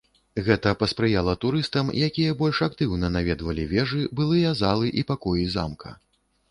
Гэта паспрыяла турыстам, якія больш актыўна наведвалі вежы, былыя залы і пакоі замка.